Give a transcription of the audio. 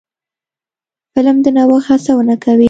فلم د نوښت هڅونه کوي